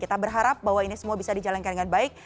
kita berharap bahwa ini semua bisa dijalankan dengan baik